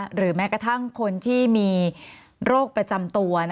หรือแม้กระทั่งคนที่มีโรคประจำตัว